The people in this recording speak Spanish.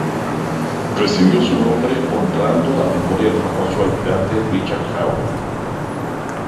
Recibió su nombre honrando la memoria del famoso almirante Richard Howe.